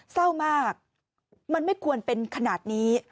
เศร้ามากมันไม่ควรเป็นขนาดนี้